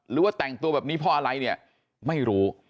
หรือว่าแต่งตัวแบบนี้เพราะอะไรเนี่ยไม่รู้